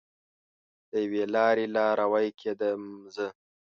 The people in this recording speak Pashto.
د یوې لارې لاروی کیدم زه